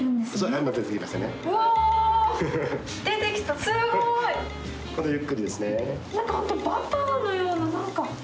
何か本当バターのような何か。